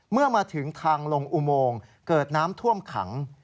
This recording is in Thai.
เมื่อมาถึงทางลงอุโมงเกิดน้ำท่วมขัง